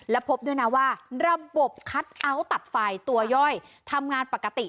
และพบด้วยนะว่าระบบคัทเอาท์ตัดไฟตัวย่อยทำงานปกติ